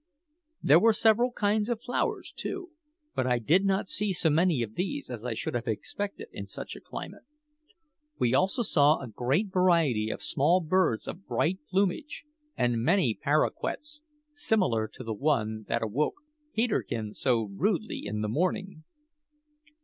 There were several kinds of flowers, too; but I did not see so many of these as I should have expected in such a climate. We also saw a great variety of small birds of bright plumage, and many paroquets similar to the one, that awoke Peterkin so rudely in the morning.